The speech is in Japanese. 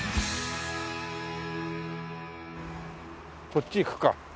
こっち行くか。